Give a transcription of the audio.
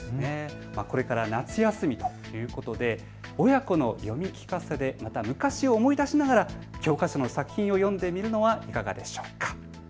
これから夏休みということで親子の読み聞かせでまた昔を思い出しながら教科書の作品を読んでみるのはいかがでしょうか。